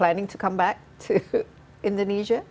untuk kembali ke indonesia